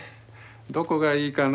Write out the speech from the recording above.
どこがいいかな？